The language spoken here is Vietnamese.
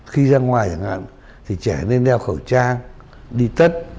khi ra ngoài chẳng hạn thì trẻ nên đeo khẩu trang đi tất